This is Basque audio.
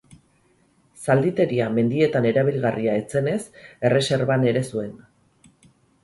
Zalditeria mendietan erabilgarria ez zenez erreserban ere zuen.